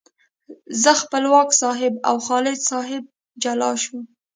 زه، خپلواک صاحب او خالد صاحب جلا شوو.